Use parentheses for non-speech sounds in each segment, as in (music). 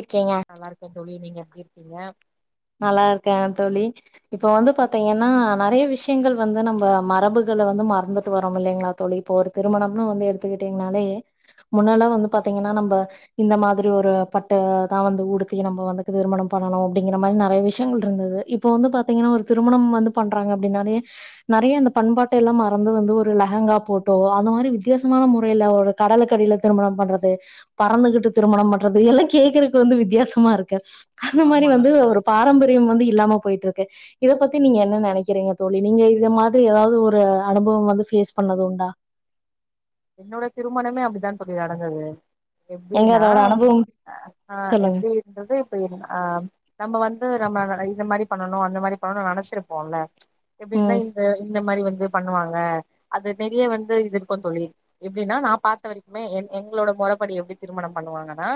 இருக்கீங்க நல்லாயிருக்கேன் தோழி நீங்க எப்டிங்க நல்லாயிருக்கே தோழி இப்ப வந்து பாத்தீங்கன்னா நெறைய விஷ் விஷயங்கள் வந்து நம்ம மரபுகள வந்து மறந்துட்டு வரோ இல்லைங்களா தோழி இப்போ ஒரு திருமணம்னு வந்து எடுத்துக்கிட்டீங்கனாலே முன்னல்லா வந்து பாத்தீங்கன்னா நம்ப இந்த மாதிரி ஒரு பட்டுதா வந்து உடுத்தி நம்ம வந்து திருமணோ பண்ணனு அப்டீ இந்த மாரி நெறைய விஷியங்கள்ருந்தது இப்போ வந்து பாத்தீங்கன்னா ஒரு திருமணம் வந்து பண்றாங்க அப்டின்னாலே நெறைய இந்த பண்பாட்டயெல்லா மறந்து வந்து ஒரு லெஹங்கா போட்டோ அந்த மாரி வித்தியாசமான முறையில ஒரு கடலுக்கடில திருமணம் பண்றது பறந்துகிட்டு திருமணம் பண்றதுயெல்லா கேக்குறக்கு வந்து வித்தியாசமாயிருக்கு ஆமாங்க சொல்லுங்க பாரம்பரியம் வந்து இல்லாம போயிட்ருக்கு இத பத்தி நீங்க என்ன நெனைக்கறீங்க தோழி நீங்க இத மாதிரி எதாவது ஒரு அனுபம் வந்து ஃபேஸ் பண்ணதுண்டா என்னோட திருமணமே அப்டிதா தோழி நடந்துது எங்க எப்டின்னா அதோட அனுபவம் அ ஆஹ் சொல்லுங்க எப்டின்றது இப்ப ஆஹ் நம்ம வந் து நம்ம இத மாரி பண்ணனும் அந்த மாரி பண்ணும்னு நெனச்சிருப்போம்ல (unintelligible) எப்டின்னா ம் இந்த இந்த மாரி வந் இது பண்ணுவாங்க அது நெறைய வந்து இது இருக்கு தோழி எப்டின்னா நா பாத்த வரைக்குமே என் எங்களோட மொறப்படி எப்டி திருமணோ பண்ணுவாங்கன்னா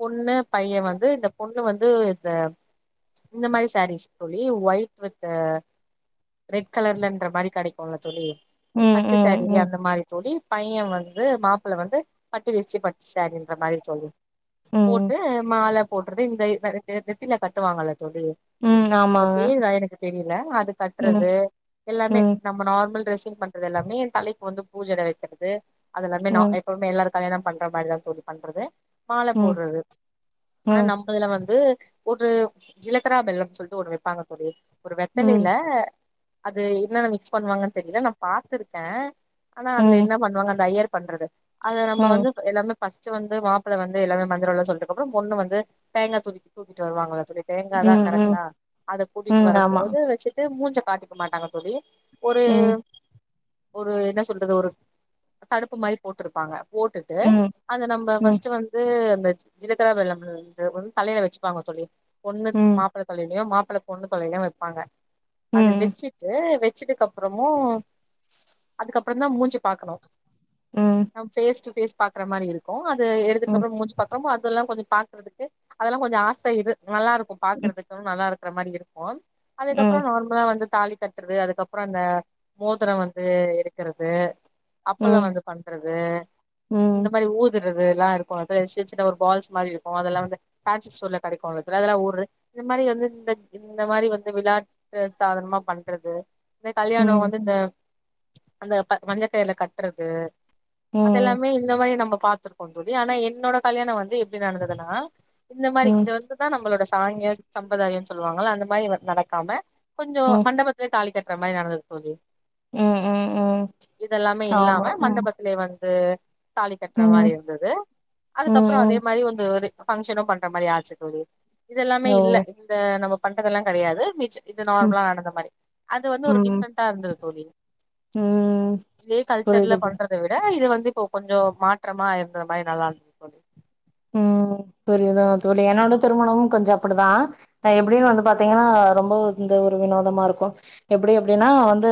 பொண்ணு பைய வந்து இந்த பொண்ணு வந்து இந்த இந்த மாரி சாரீஸ் தோழி ஒயிட் வித் ரெட் கலர்லன்ற மாரி கெடைக்கும்ல தோழி உம் பட்டு உம் சாரீ உம் அந்த மாரி தோழி பையே வந்து மாப்புள்ள வந்து பட்டி வேஷ்டி பட்டு சாரீன்ற மாதிரி தோழி ம் போட்டு மால போடுறது இந்த இந்த நெத்தில கட்டுவாங்கல்ல தோழி ம் அது ஆமாங்க பேருதா எனக்கு தெரியில அது ம் கட்டுறது எல்லாமே ம் நம்ம நார்மல் ட்ரெஸ் (unintelligible) பண்றது எல்லாமே என் தலைக்கு வந்து பூஜைல வெக்குறது அது எல்லாமே நா ம் எப்பவுமே எல்லார் கல்யாணோ பண்ற மாரிதா தோழி பண்றது மால ம் போடுறது ஆனா ம் நம்மதுல வந்து ஒரு ஜிலக்குரா பெல்லம்னு சொல்லிட்டு ஒன்னு வெப்பாங்க தோழி ஒரு ம் வெத்தலையில அது என்னென்ன மிக்ஸ் பண்ணுவாங்கன்னு தெரியல நா பாத்திருக்கே ஆனா அதுல ம் என்ன பண்ணுவாங்க அந்த ஐயர் பண்றது அத நம்ப ம் வந்து எல்லாமே ஃபஸ்ட்டு வந்து மாப்ள வந்து எல்லாமே மந்துறோம்லா சொல்லிட்டதுகப்புறோ பொண்ணு வந்து தேங்கா தூக்கி தூக்கிட்டு வருவாங்க ஆக்சுவல்லி தேங்காதா ம் ம் கரெக்டா அத கூட்டிட்டு ம் ஆமா வரும்போது வச்சுட்டு மூஞ்ச காட்டிக்க மாட்டாங்க தோழி ஒரு ம் ஒரு என்ன சொல் அது ஒரு தடுப்பு மாரி போட்ருப்பாங்க போட்டுட்டு ம் அத நம்ம ம் ம் ஃபர்ஸ்ட் வந்து அந்த ஜிலக்கரா (unintelligible) வந்து தலையில வச்சுப்பாங்க தோழி பொண்ணு ம் மாப்ள தலையிலும் மாப் அத பொண்ணு தலைலயு வைப்பாங்க அத ம் ம் வெச்சிட்டு வெச் வச்சிதுக்கப்புறமு அதுக்கப் அப்புறந்தா மூஞ்சிய பாக்கணும் ம் ம் ம் அவுங்க ஃபேஸ் டூ ஃபேஸ் பாக்குற மாரி இருக்கும் அந் இது ம் எடுத்ததுக்கப்புறோ மூஞ்சு பாக்குறோமோ அது இதெல்லா கொஞ்ச பாக்குறதுக்கு அதெல்லா கொஞ்சம் ஆச இது நல்லா இருக்கும் பாக்குறதுக்கு ஆனா நல்லா இருக் வர்ற மாரி இருக்கும் ம் அதுக்கப்புறோ ம் நார்மலா வந்து தாலி கட்றது அதுக்கப்புற அந்த மோதிரோ வந்து எடுக் ருக்கிறது அப்பளம் வந்து பண்றது இந்த மாரி ஊது இதுதல்லா இருக்கும் அது சின்ன சின்ன ஒரு பால்ஸ் மாரி இருக்கும் அதெல்லா வந்து ஃபேன்சி ஸ்டோர்ல கெடைக்கும் (unintelligible) இது மாரி வந்து இந்த மாரி வந்து விளாட்டு சாதகமா பண்றது இந்த ம் கல்யாணோ ம் வந்து இந்த அந்த ப மஞ்ச கயிறுல கட்டுறது அதெல்லாமே இந்த மாரி நம்ம பாத்துருக்கோ தோழி ஆனா என்னோட கல்யாணோ வந்து எப்டி நடந்ததுன்னா இந்த ம் மாரி இது வந்துதா நம்மளோட சாங்கியம் சம்பரதாயம்னு சொல்லுவாங்கல்ல அந்த மாரி வந்து நடக்காம கொஞ்சோ ம் மண்டபத்தலயே தாலி கட் அந்த மாரி நடந்தது தோழி இதெல்லாமே இல்லாம ஆமா ம் மண்டபத்திலயே வந்து தாலி கட்ற ம் மாரி இருந்தது ம் அதுக்கப்றோ ம் அதே மாரி வந்து ஒரு ஃபங்க்ஷனு பண்ற மாரி ஆச்சு தோழி இதல்லாமே ஓ இல்ல இந்த நம்ம பண்றதெல்லாம் கிடையாது மிச்ச இது ம் நார்மலா நடந்த மாரி அது வந்து ஒரு ம் டிஃப்ரெண்டா இருந்தது தோழி ம் இதே கல்ச்சர்ல புரியுது பு பண்றத விட இது வந்து இப்போ கொஞ்சம் மாற்றமா இருந்த மாதிரி நல்லா போல உஹம் புரியுதா தோழி என்னோட திருமணமும் கொஞ்சம் அப்படித்தான் எப்டின்னு வந்து பாத்தீங்கன்னா ரொம்ப இந்த ஒரு வினோதமா இருக்கும் எப்படி எப்படின்னா வந்து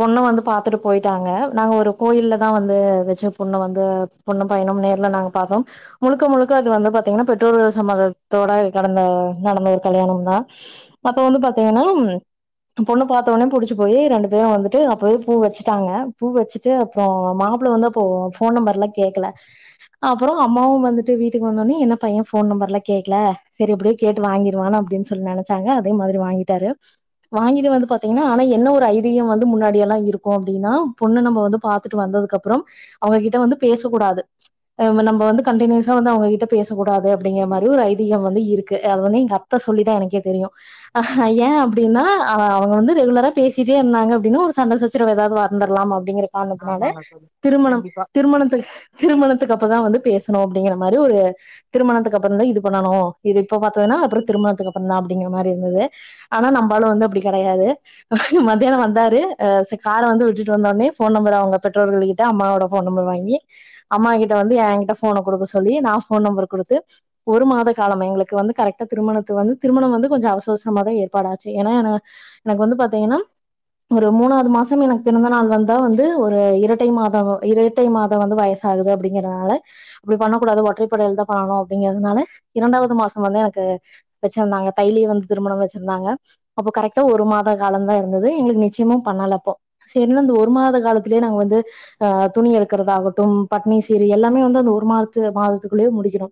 பொண்ணு வந்து பாத்துட்டு போயிட்டாங்க நாங்க ஒரு கோயில்லதான் வந்து வச்ச பொண்ணு வந்து பொண்ணு பையனும் நேர்ல நாங்க பா்த்தோம் முழுக்க முழுக்க அது வந்து பார்த்தீங்கன்னா பெற்றோர்கள் சமதத்தோட கடந்த நடந்த ஒரு கல்யாணம் தான் அப்போ வந்து பார்த்தீங்கன்னா பொண்ணு பார்த்தவனே புடிச்சி போய் ரெண்டு பேரும் வந்துட்டு அப்பயே பூ வச்சுட்டாங்க பூ வச்சுட்டு அப்புறம் மாப்புள்ள வந்து அப்போ போன் நம்பர்லாம் கேட்கல அப்புறம் அம்மாவும் வந்து வந்து வீட்டு வந்தோன என்ன பையன் போன் நம்பரெல்லாம் கேக்கல செரி எப்டியே கேட்டு வாங்கிருவ அப்ப சொல்லி நினச்சாங்க அதே மாதிரி வாங்கிட்டாரு வாங்கிடு வந்து பாத்தீங்கன்னா ஆனா என்ன ஒரு ஐதிகம் வந்து முன்னாடிய எல்லாம் இருக்கும் அப்டின்னா பொண்ணு நம்ம வந்து பாத்துட்டு வந்ததுக்கு அப்பறம் அவங்க கிட்ட வந்து பேசகூடாது ம்சி ஏன நம்ம வந்து கன்டினுஸ் ஏன் வந்து அவங்ககிட்ட பேசக்கூடாது அப்படிங்கிற மாரி ஒரு ஐதிகம் வந்து இருக்கு அது வந்து எங்க அத்தை சொல்லிதான் எனக்கே தெரியும் ஹெக்க ஏன் அப்படின்னா அவங்க வந்து ரெகுலரா பேசிட்டே இருந்தாங்க அப்படின்னு ஒரு சண்டசச்சிரவு ஏதாவது வர்ந்துடலாமோ அப்படிங்கற காரணத்துனால ஆமாங்க தோழி திருமணம் கண்டிப்பா திருமணத்து திருமணத்துக்கு அப்பற இப்பதான் வந்து பேசுணோம் அப்டிங்ற மாரி ஒரு திருமணத்துகு அப்பரம் தான் இது பன்னனு இது இப்ப பாத்ததுன அப்பறம் திருமணதுக்கு அப்பறம் தான் அப்புடிங்குற மாறி இருந்தது ஆனா நம்ப ஆளு வந்து அப்படி கிடையாது க்கும் மத்தியானம் வந்தாரு கார வந்து விட்டுடு வந்தோடனே போன் நம்பரை அவுங்க பெற்றோர்களிட்ட அம்மாயொட போன் நம்பர் வாங்கி அம்மா கிட்டவந்து ஏன் கிட்ட போனகுடுக்க சொல் சொல்லி நா போன் நம்பர் கொடுத்து ஒரு மாத காலம் எங்களுக்கு வந்து கரைட்டா திருமணத்து வந்து திருமணம் வந்து கொஞ்சம் அவசரஅவசரமாக ஏற்பாடு ஆச்சி ஏன்னா என வந்து பாத்திங்கன ஒரு மூனாது மாசம் எனக்கு பிறந்த நாள் வந்தாவந்து ஒரு இரட்டை மாத ஒரு இரட்டை மாதம் வந்து வயசாகுது அப்டிங்ற நால அப்டி பண்ணக் கூடாது ஒற்றை பட தான் பண்ணணும் அப்படிங்கிறதுனால இரண்டாவது மாசம் வந்து எனக்கு வச்சிருந்தாங்க தைலயே வந்து திருமணம் வச்சிருந்தாங்க அப்போ கரெக்டா ஒரு மாத காலம் தான் இருந்தது எங்களுக்கு நிச்சயமும் பண்ணல அப்போ செரினு வந்து ஒரு மாத காலத்திலயே நாங்க வந்துஹ் துணி எடுக்கறத ஆகட்டும் பட்னி சீர் எல்லாமே வந்து அந்த ஒரு மாத சில மாதத்துக்குள்ளே முடிக்கிற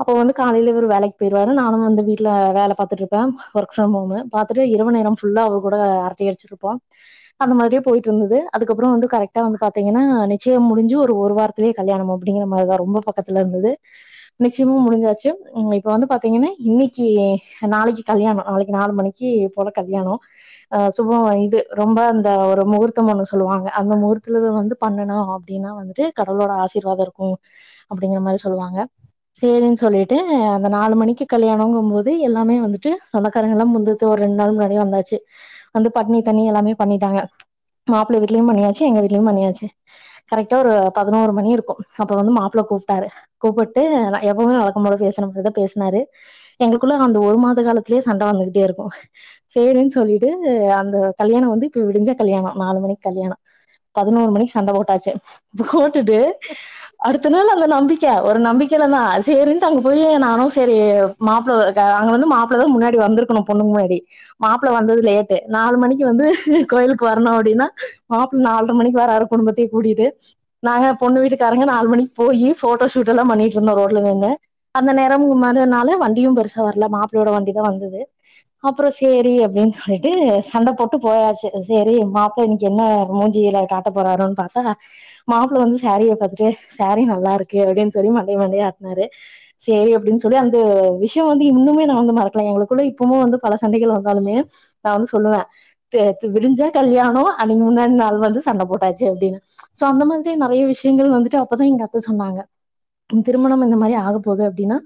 அப்ப வந்து காலையில இவுரு வேலைக்கு போயிருவாரு நானும் வந்து வீட்டுல வேலை பாரத்துட்டு இருப் மேம் ஒர்க் ஃப்ரம் ஹோம் பாத் ஒரு இரவு நேரம் ஃபுல்லா அவங்க கூட அரட்டை அடிச்சிட்டு இருப்போம் அந்த மாதிரியே போயிட்டு இருந்தது அதுக்கு அப்றம் வந்து கரைட்டா வந்து பாத்திங்கனா நிச்சயம் முடிஞ்சி ஒரு ஒரு வாரத்திலே கல்யாணம் (unintelligible) ரொம்ப பத்துல இருந்தது நிச்சயமும் முடிஞ்சாச்சு இப்ப வந்து பாத்தீங்கன்னா இன்னைக்கு நாளைக்கு கல்யாணம் நாளைக்கு நாலு மணிக்கு போல கல்யாணம் அஹ் சுபம் இது ரொம்ப அந்த ஒரு முகூர்த்தம் ஒண்ணு சொல்லுவாங்க அந்த முகூர்த்துல வந்து பண்ணணும் அப்படின்னா வந்துட்டு கடவுளோட ஆசீர்வாதம் இருக்கும் அப்படிங்கிற மாதிரி சொல்லுவாங்க செரின்னு சொல்லிட்டு அந்த நாலு மணிக்கு கல்யாணம்ங்கும் போது எல்லாமே வந்துட்டு சொந்தக்காரங்க எல்லாம் முந்தந்து ஒரு ரெண்டு நாள் முன்னாடியே வந்தாச்சு வந்து பட்னி தண்ணி எல்லாமே பண்ணிட்டாங்க மாப்பிள வீட்லயும் பண்ணியாச்சு எங்க வீடலயும் பண்ணியாச்சு கரெக்டா ஒரு பதினோரு மணி இருக்கும் அப்ப வந்து மாப்புள கூப்ப கூப்பிட்டாரு கூப்பிட்டு எப்பவுமே வழக்க போல பேசன மாதிதான் பேசினாரு எங்களுக்குள்ள அந்த ஒரு மாத காலத்திலயே சண்டை வந்துகிட்டே இருக்கும் சேரின்னு சொல்லிட்டு அந்த கல்யாணம் வந்து இப்ப விடிஞ்சா கல்யாணம் நாலு மணிக்கு கல்யாணம் பதினோரு மணிக்கு சண்டை போட்டாச்சு போட்டுட்டு அடுத்த நாள்ல நம்பிக்கை ஒரு நம்பிக்கையில தான் செரிட்டு அங்க போய் நானும் சரி மாப்பிள்ள அங்க வந்து மாப்பிள்ள தான் முன்னாடி வந்துருக்கணும் பொண்ணுக்கு முன்னாடி மாப்புள்ள வந்தது லேட்டு நாலு மணிக்கு வந்து கோயிலுக்கு வரணும் அப்படின்னா மாப்பிள்ள நாலரை மணிக்கு வராரு குடும்பத்தையே கூட்டிடு நாங்க பொண்ணு வீட்டுக்காரங்க நாலு மணி போயி போட்டோ ஷூட் எல்லாம் பண்ணிட்டு இருந்தோம் ரோட்ல இருந்து அந்த நேரம் மாதிரினால வண்டியும் பெருசா வரல மாப்பிள்ளையோட வண்டி தான் வந்தது அப்புறம் சேரி அப்படின்னு சொல்லிட்டு சண்டை போட்டு போயாச்சு செரி மாப்பிளைை இன்னைக்கு என்ன மூஞ்சியில காட்ட போறரூன்னு பாத்தா மாப்பிளை வந்து சேரிய பாத்துட்டு சேரி நல்லா இருக்கு அப்படின்னு சொல்லி மண்டைய மண்டையை ஆட்டினாரு சரி அப்படின்னு சொல்லி அந்த விஷயம் வந்து இன்னுமே நான் வந்து மறக்கலாம் எங்களுக்குள்ள இப்பவும் வந்து பல சண்டைகள் வந்தாலுமே நான் வந்து சொல்லுவேன் விடிஞ்சா கல்யாணம் அன்னைக்கு முன்னாடி நாள் வந்து சண்டை போட்டாச்சு அப்டின்னு சோ அந்த மாதிரி நறைய விஷயங்கள் வந்துட்டு (unintelligible) அப்பதான் எங்க அத்த சொன்னாங்க திருமணம் இந்த மாதிரி ஆக போகுது அப்படின்னா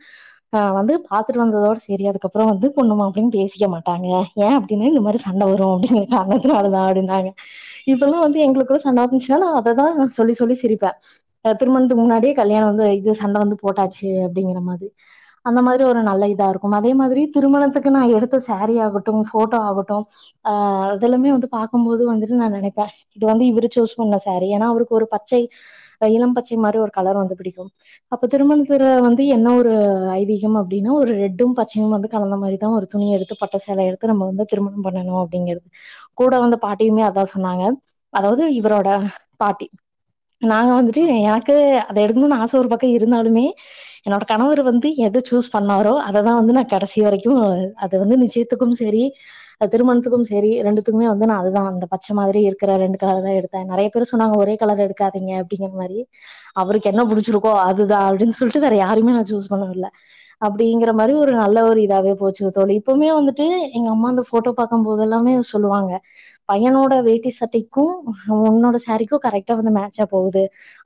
அஹ் வந்து பாத்துட்டு வந்ததோட சரி அதுக்கப்புறம் வந்து பொண்ணும் மாப்ளயும் பேசிக்க மாட்டாங்க ஏன் அப்படின்னா இந்த மாதிரி சண்டை வரும் அப்படிங்கிற காரணத்தினாலதான் அப்படின்னாங்க இப்ப எல்லாம் வந்து எங்களுக்கு குள்ள சண்டைா இருந்துச்சுன்னா நான் அதைதான் சொல்லி சொல்லி சிரிப்பேன் திருமணத்துக்கு முன்னாடியே கல்யாணம் வந்து இது சண்டை வந்து போட்டாச்சு அப்படிங்கிற மாதிரி அந்த மாதிரி ஒரு நல்ல இதா இருக்கும் அதே மாதிரி திருமணத்துக்கு நான் எடுத்த சாரீ ஆகட்டும் போட்டோ ஆகட்டும் ஆஹ் இதெல்லாமே வந்து பாக்கும் போது வந்துட்டு நான் நினைப்பேன் இது வந்து இவரு சூஸ் பண்ண சாரீ ஏன்னா அவருக்கு ஒரு பச்சை இளம் பச்சை மாதி ஒரு கலர் வந்து பிடிக்கும் அப்ப திருமணத்து வந்து என்ன ஒரு ஐதீகம் அப்படின்னா ஒரு ரெட்டும் பச்சையும் வந்து கலந்த மாதிரிதான் ஒரு துணிய எடுத்து பட்டை சேலை எடுத்து நம்ம வந்து திருமணம் பண்ணணும் அப்படிங்கிறது கூட வந்த பாட்டியுமே அதான் சொன்னாங்க அதாவது இவரோட பாட்டி நாங்க வந்து அது ஆமா எனக்கு அது எழுதுன்னு ஆச ஒரு பக்கம் இருந்தாலுமே என்னோட கணவர் வந்து எதை சூஸ் பண்ணாரோ அததான் வந்து நான் கடைசி வரைக்கும் அது வந்து நிச்சயத்துக்கும் சரி திருமணத்துக்கும் சரி ரெண்டுத்துக்குமே வந்து நான் அதுதான் அந்த பச்சை மாதிரி இருக்கிற ரெண்டு கலர் தான் எடுத்தேன் நிறைய பேர் சொன்னாங்க ஒரே கலர் எடுக்காதீங்க அப்ப என்னமாறி அவருக்கு என்ன படிச்சிருக்க அதுதான் அப்பனு சொல்லிட்டு வேற யாருமே சூஸ் பன்ன விடல அப்படிங்கிற மாரி ஒரு நல்ல ஒரு இதாவே போச்சுோ இப்பமே வந்துட்டு எங்க அம்மாந்த போட்ட பாக்கும் போது எல்லாமே சொல்லுவாங்க பையனோட வேட்டி சட்டைக்கும் ஒன்னோட சாரீக்கும் கரைட்டான மேச் அப் போகுது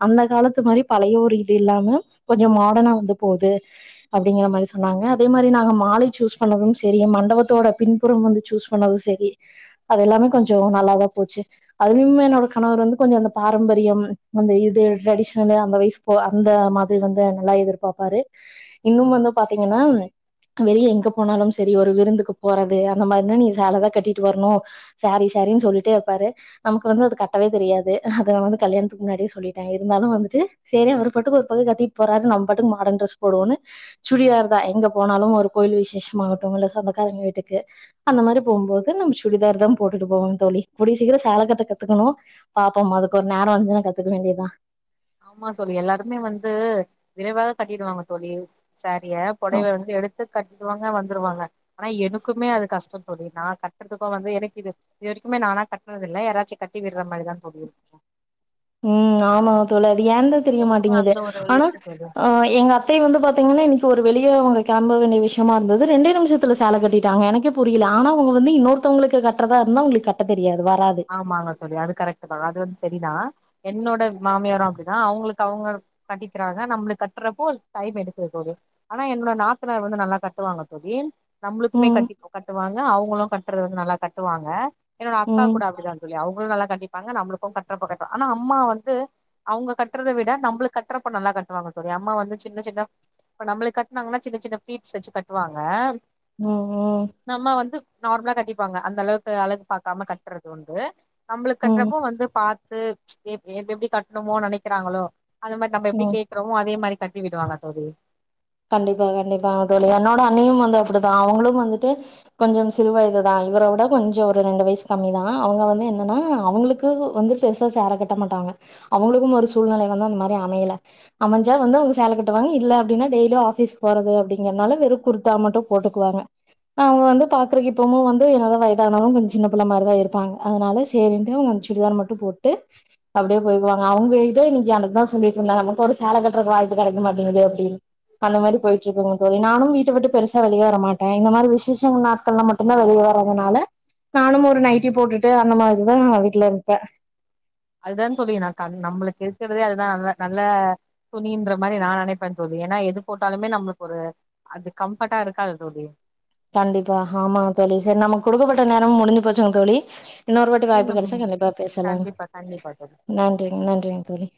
அந்த காலத்து மாதிரி பழைய ஒரு இது இல்லாம கொஞ்சம் மாடனா வந்து போகுது அப்படிங்கிற மாரி சொன்னாங்க அதே மாதிரி நாங்க மாலை சூஸ் பண்ணதும் செரி மண்டபத்தோட பின்புறம் வந்து சூஸ் பண்ணதும் செரி அததெல்லாமே கொஞ்சம் நல்லாதான் போச்சு அதுலயுமே என்னோட கணவர் வந்து கொஞ்சம் அந்த பாரம்பரியம் அந்த இது ட்ரெடிஷனல அந்த வயசு போ அந்த மாதிரி வந்து நல்லா எதிர்பார்ப்பாரு இன்னும் வந்து பாத்தீங்கன்னா வெளிய எங்க போனாலும் செரி ஒரு விருந்துக்கு போறது அந்த மாதிரின நீ சேலதான் கட்டிட்டு வரணும் சாரீ சரின்னு சொல்லிட்டே இருப்பாரு நமக்கு வந்து அது கட்டவே தெரியாது அதது நான் வந்து கல்யாணம் முன்னாடியே சொல்லிட்டே இருந்தாலும் வந்துட்டு சரி அவர் பாட்டுக்கு ஒரு பக்கம் கத்தி போறாரு நம்ம பாட்டுக்கு மாடர்ன் ட்ரெஸ் போடுவோனு சுடிதார் தான் எங்க போனாலும் ஒரு கோவில் விசேஷமாகட்டும் இல்ல சொந்தக்கார எங்க வீட்டுக்கு அந்த மாதிரி போகுபோது நம்ம சுடிதார் தான் போட்டுட்டு போவோம் தோழி கூடிய சீக்கிரம் சேலகட்ட கத்துக்கணும் பாப்போம் அதுக்கு ஒரு நேரம் வரு ஆமா சொல்லி எல்லாருமே வந்து விரைவாகா கட்டிடுவாங்க தோழி சரிய புடைவை வந்து எடுத்து கட்டுவாங்க வந்து கட்ருவாங்க ஆனா எனக்குமே அது கஷ்டம் தோழி நான் கட்டுறதுக்கும் வந்து எனக்கு இது இதுவரைக்குமே நானா கட்டுறதில்லை யாராச்சும் கட்டி வீடுற மாரிதான் தோழியே இருக்கோம் உம் ஆமா (unintelligible) ஏந்தா தெரிய எனக்குமே மாட்டேங்குது அந்த ஒரு ஆனா இருக்கு தோழி எங்க அத்தைய வந்து பாத்தீங்கன்னா இன்னைக்கு ஒரு வெளியே அவுங்க கெலம்ப வேண்டிய விஷயமா இருந்தது இரண்டு நிமிஷத்தில சேல கட்டாங்க எனக்கே புரியில ஆனாங்க வந்து இன்னொருத்தவங்களுக்கு கட்ரதா இருந்தா அவங்களுக்கு கட்ட தெரியாது வராது ஆமாங்க தோழி அது கரெக்ட்டு தான் அது வந்து சரிதான் என்னோட மாமியாரும் அப்படிதா அவங்களுக்கு அவங்க கட்டிக்கிறாங்க நம்மளுக்கு கட்டுறப்போ ஸைடு எடுக்கது போது ஆனா என்னோட நாத்தனார் வந்து நல்லா கட்டுவாங்க தோழி நம்மளுக்குமே ம் கட்டி கட்டுவாங்க அவங்களும் கட் ந்து நல்லா கட்டுவாங்க ம் கூட அப்புடிதா தோழி அவங்க நல்லா கண்டிப்பாங்க நம்மளுக்கும் கட்ட ஆனா அம்மா வந்து அவுங்க கட்றத விட நம்மளுக்கு கட்றப்ப நல்லா கட்டுவாங்க தோழி அம்மா வந்து சின்ன சின்ன நம்மளுக்கு கட்னாங்கனா சின்ன சின்ன பீட்ஸ் வச்சு கட்டுவாங்க உம்உம் நம்ம வந்து நார்மலா கட்டிப்பாங்க அந்தளவுக்கு அலப்பு பாக்காம கட்டி றதுண்டு நம்மளுக்கட்டுற ம் போ வந்து பாத் எ எப்பெப்டி கட்டணுமோ நெனைக்கிறாங்களோ அது மாதிரி நம்ப ம் எப்ப கேக்குறோமோ அதே மாரி கட்டி விடுவாங்க தோழி கண்டிப்பா கண்டிப்பா அ தோழி என்னோட அன்னியும் வந்து அப்படிதான் அவங்களும் வந்துட்டு கொஞ்சம் சிறு வயதுதான் இவரை விட கொஞ்சம் ஒரு ரெண்டு வயசு கம்மிதான் அவங்க வந்து என்னன்னா அவங்களுக்கு வந்து பெருசா சேல கட்ட மாட்டாங்க அவங்களுக்கும் ஒரு சூழ்நிலை வந்து அதுமாறி அமையல அமஞ்சா வந்து சேல கட்டுவாங்க இல்ல அப்புடினா டெய்லி டெய்லி ஆபீஸ் போறது அப்படிங்கறதுனால வெறும் குர்தா மட்டும் போட்டுக்குவாங்க அவங்க வந்து பாக்குறக்கு இப்பம வந்து என்னோட வயதானனாலும் கொஞ்சம் சின்ன பிள்ள மாதிரிதான் இருப்பாங்க அதுனால சேரின்ட்டு அவங்க சுடிதார் மட்டும் போட்டு அப்புடியே போயிக்குவாங்க அவங்க கிட்ட இன்னைக்கு எனக்குதான் சொல்லிட்டு இருந்தாங்க நமக்கு ஒரு சேலை கட்டுறக்கு வாய்ப்பு கிடைக்க மாட்டேங்குது அப்புடின்னு அந்த மாதிரி போயிட்டு இருக்குங்க தோழி நானும் வீட்டை விட்டு பெருசா வெளியே வர மாட்டேன் இந்த மாதிரி விசேஷம் நாட்கள்ல மட்டும்தான் வெளியே வறதுனால நானும் ஒரு நைட்டி போட்டுட்டு அந்த மாதிரிதான் வீட்டுல இருப்பேன் அதுதான் தோழி நா க நம்மளுக்கு த அதுதான் நல்ல நல்ல துணின்ற மாதிரி நான் நெனைப்பே தோழி ஏன்னா எது போட்டாலுமே நம்மளுக்கு ஒரு அது கம்ஃபர்டா இருக்காது தோழி கண்டிப்பா ஆமாங்க தோழி சரி நமக்கு கொடுக்கப்பட்ட நேரம் முடிஞ்சு போச்சுங்க தோழி இன்னொரு வாட்டி வாய்ப்பு மீண்டும் கெடைச்சா கண்டிப்பா பேசலாங் கண்டிப்பா கண்டிப்பா தோழி நன்றிங்க நன்றிங்க தோழி